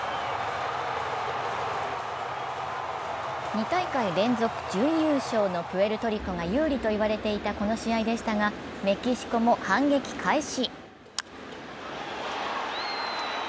２大会連続準優勝のプエルトリコが有利と言われていたこの試合でしたが、メキシコも反撃開始。